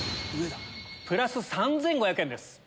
プラス３５００円です。